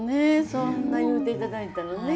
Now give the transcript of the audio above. そんな言うていただいたらね。